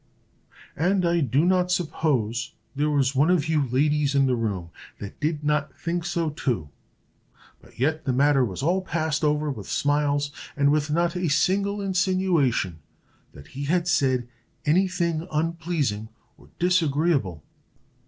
"And I do not suppose there was one of you ladies in the room that did not think so too; but yet the matter was all passed over with smiles, and with not a single insinuation that he had said any thing unpleasing or disagreeable."